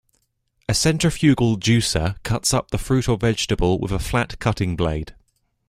A centrifugal juicer cuts up the fruit or vegetable with a flat cutting blade.